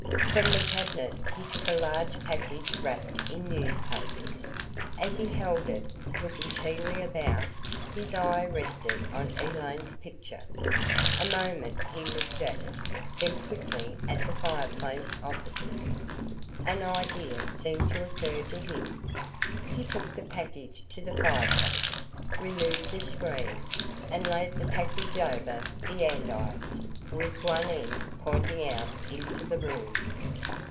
From the cabinet he took a large package wrapped in newspapers. As he held it, looking keenly about, his eye rested on Elaine's picture. A moment he looked at it, then quickly at the fireplace opposite. An idea seemed to occur to him. He took the package to the fireplace, removed the screen, and laid the package over the andirons with one end pointing out into the room.